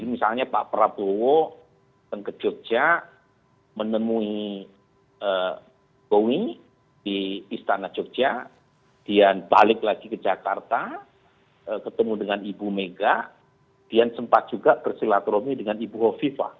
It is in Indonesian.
misalnya pak prabowo ke jogja menemui jokowi di istana jogja dan balik lagi ke jakarta ketemu dengan ibu mega dan sempat juga bersilaturahmi dengan ibu hovifah